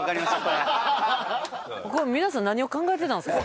皆さん何を考えてたんですか？